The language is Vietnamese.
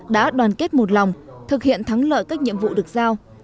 đã đoàn kết một lòng thực hiện thắng lợi các nhiệm vụ được giao